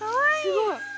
すごい。